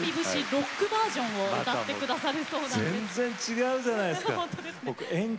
ロックバージョンを歌ってくださるそうです。